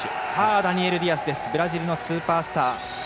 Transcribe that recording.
ダニエル・ディアスブラジルのスーパースター。